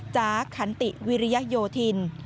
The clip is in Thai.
จ๋าขันติวิริยโยธิน